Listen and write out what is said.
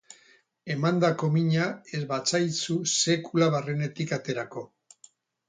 Emandako mina ez baitzaigu sekula barrenetik aterako.